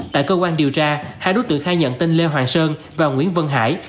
tại cơ quan điều tra hai đối tượng khai nhận tên lê hoàng sơn và nguyễn văn hải